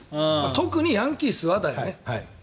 特にヤンキースはだよね。